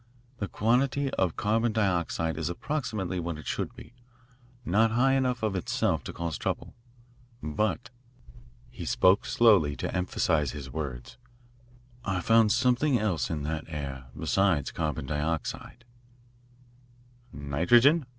The quantity of carbon dioxide is approximately what it should be not high enough of itself to cause trouble. But," he spoke slowly to emphasise his words, " I found something else in that air beside carbon dioxide." "Nitrogen?"